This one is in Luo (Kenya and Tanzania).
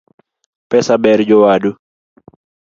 Pesa ber jowadu.